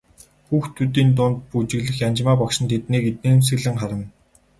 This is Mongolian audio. Хүүхдүүдийн дунд бүжиглэх Янжмаа багш нь тэднийг инээмсэглэн харна.